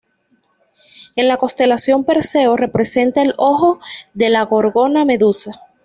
En la constelación Perseo, representa el ojo de la gorgona Medusa.